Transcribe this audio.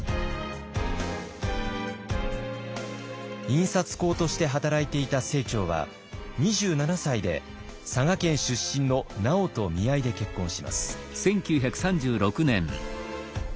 印刷工として働いていた清張は２７歳で佐賀県出身のナヲと見合いで結婚します。